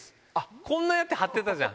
こんなんやって貼ってたじゃん。